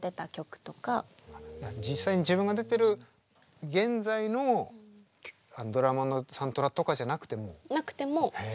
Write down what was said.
実際に自分が出てる現在のドラマのサントラとかじゃなくても？なくても。